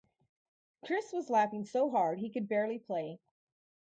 Chris was laughing so hard he could barely play.